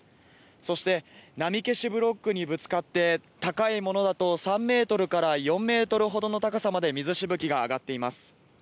そして波消しブロックにぶつかって、高いものだと３ｍから４ｍほどの高さまで水しぶきが上がっています。